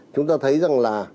chúng ta thấy rằng là